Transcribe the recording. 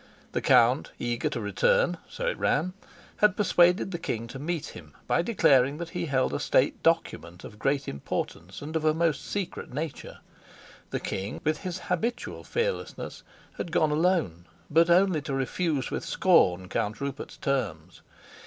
The count, eager to return (so it ran), had persuaded the king to meet him by declaring that he held a state document of great importance and of a most secret nature; the king, with his habitual fearlessness, had gone alone, but only to refuse with scorn Count Rupert's terms.